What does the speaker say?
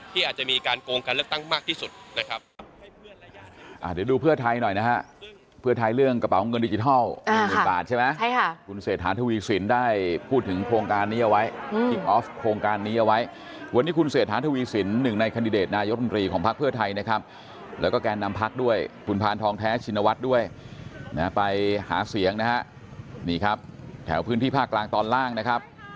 อาจจะมีการโกงการเลือกตั้งมากที่สุดนะครับ